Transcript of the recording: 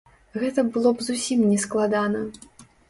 Гэта было б зусім нескладана.